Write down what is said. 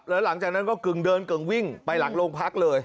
แล้วหลังจากนั้นก็กึ่งเดินกึ่งวิ่งไปหลังโรงพักเลย